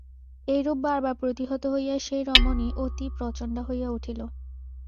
এইরূপ বার বার প্রতিহত হইয়া সেই রমণী অতি প্রচণ্ডা হইয়া উঠিল।